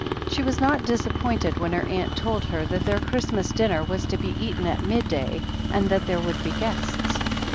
She was not disappointed when her aunt told her that their Christ mas dinner was to be eaten at midday, and that there would be guests.